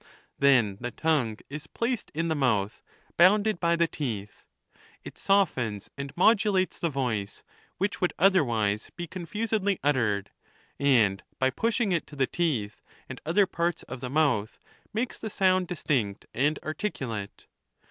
Then the tongue is placed in the mouth, bounded by the teeth. It softens and modulates the voice, which would otherwise be confusedly uttered ; and, by pushing it to the teeth and other parts of the mouth, makes the sonnd distinct and articulate.